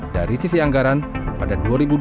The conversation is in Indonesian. dari sisi anggaran pada dua ribu dua puluh